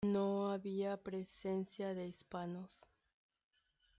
No había presencia de hispanos.